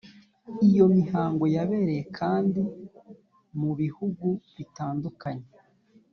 iyo mihango yabereye kandi mu bihugu bitandukanye